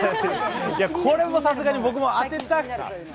これはさすがに僕も当てたい。